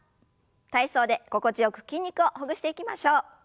体操で心地よく筋肉をほぐしていきましょう。